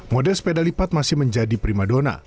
model sepeda lipat masih menjadi prima dona